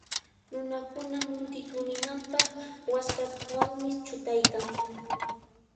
Nunakuna munti tuninanpaq waskawanmi chutaykan.